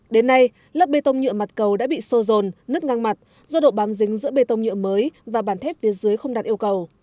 đến nay lớp bê tông nhựa mặt cầu đã bị sô rồn nứt ngang mặt do độ bám dính giữa bê tông nhựa mới và bản thép phía dưới không đạt yêu cầu